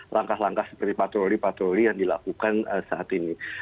langkah langkah seperti patroli patroli yang dilakukan saat ini